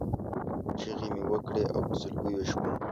چغې مې وکړې او په سلګیو شوم.